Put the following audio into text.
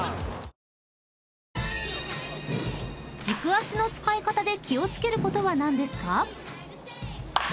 ［軸足の使い方で気を付けることは何ですか？］